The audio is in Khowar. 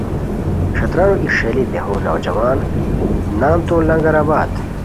ݯھتررو ای ݰیئلی دیہو نوجوان نام تو لنگر آباد